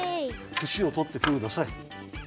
ふしをとってください。